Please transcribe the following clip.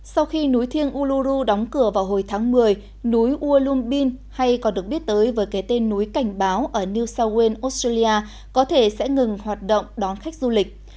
sau khi núi thiêng ulu đóng cửa vào hồi tháng một mươi núi uaum bin hay còn được biết tới với cái tên núi cảnh báo ở new south wales australia có thể sẽ ngừng hoạt động đón khách du lịch